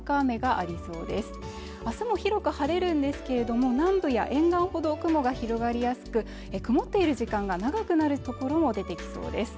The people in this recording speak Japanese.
あすも広く晴れるんですけれども南部や沿岸ほど雲が広がりやすく曇っている時間が長くなるところも出てきそうです